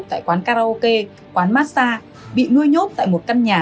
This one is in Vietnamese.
tại quán karaoke quán massage bị nuôi nhốt tại một căn nhà